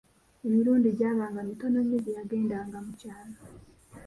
Emirundi gyabanga mitono nnyo gye yagendanga mu kyalo.